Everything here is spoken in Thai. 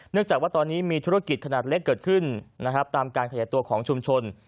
เนื่องจากว่าตอนนี้มีธุรกิจขนาดเล็กเกิดขึ้นตามการขยัดตัวของชุมชน